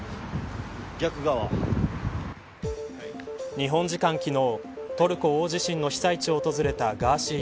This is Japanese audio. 日本時間昨日トルコ大地震の被災地を訪れたガーシー